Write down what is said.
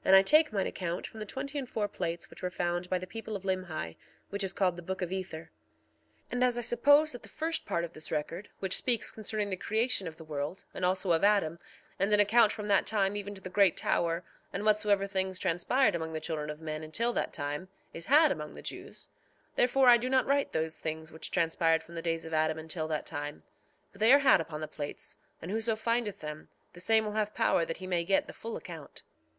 1:2 And I take mine account from the twenty and four plates which were found by the people of Limhi, which is called the Book of Ether. 1:3 And as I suppose that the first part of this record, which speaks concerning the creation of the world, and also of Adam, and an account from that time even to the great tower, and whatsoever things transpired among the children of men until that time, is had among the Jews— 1:4 Therefore I do not write those things which transpired from the days of Adam until that time; but they are had upon the plates; and whoso findeth them, the same will have power that he may get the full account.